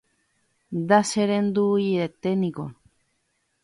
ndacherendúinteniko